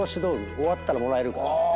終わったらもらえるから。